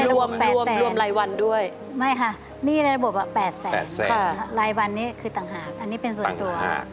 รวม๘รวมรายวันด้วยไม่ค่ะหนี้ในระบบ๘แสนรายวันนี้คือต่างหากอันนี้เป็นส่วนตัว